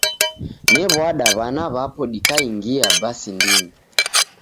Ne'wada w'ana w'apo dikangia basi ndini.